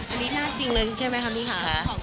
อันนี้น่าจริงเลยใช่ไหมคะพี่ค่ะ